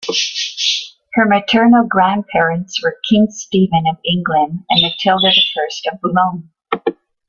Her maternal grandparents were King Stephen of England and Matilda I of Boulogne.